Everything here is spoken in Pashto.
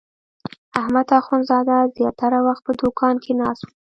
احمد اخوندزاده زیاتره وخت په دوکان کې ناست و.